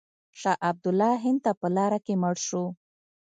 شاه عبدالله هند ته په لاره کې مړ شو.